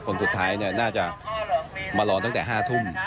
คนสุดท้ายน่าจะมารอตั้งแต่๕ทุ่ม